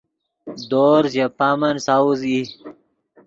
دورز ژے پامن ساؤز ای